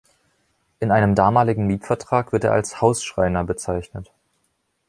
In einem damaligen Mietvertrag wird er als „Hausschreiner“ bezeichnet.